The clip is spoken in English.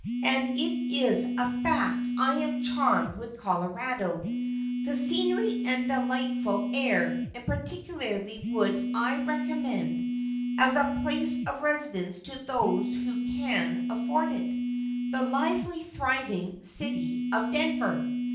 And it is a fact. I am charmed with Colorado, the scenery and delightful air, and particularly would I recommend as a place of residence to those who can afford it, the lively, thriving city of Denver.